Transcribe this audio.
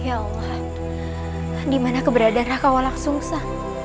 ya allah dimana keberadaan raka walaksungsa